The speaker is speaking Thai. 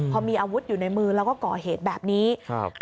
พอมีอาวุธอยู่ในมือแล้วก็ก่อเหตุแบบนี้ครับ